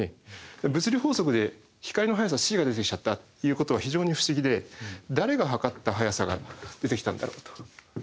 物理法則で光の速さｃが出てきちゃったということは非常に不思議で誰が測った速さが出てきたんだろうと。